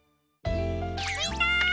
みんな！